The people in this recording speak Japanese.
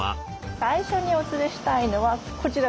最初にお連れしたいのはこちらなんです。